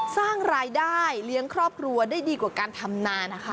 สร้างรายได้เลี้ยงครอบครัวได้ดีกว่าการทำนานะคะ